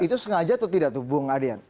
itu sengaja atau tidak tuh bung adian